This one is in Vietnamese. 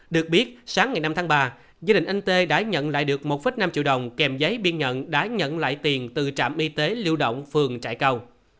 được biết sáng ngày năm tháng ba gia đình anh tê đã nhận lại được một năm triệu đồng kèm giấy biên nhận đã nhận lại tiền từ trạm y tế lưu động phường trại cầu